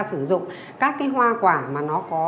sử dụng các cái hoa quả mà nó có